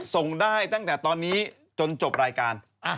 ส่งได้ตั้งแต่ตอนนี้จนจบรายการ